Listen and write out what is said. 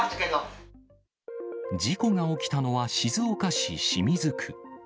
事故が起きたのは静岡市清水区。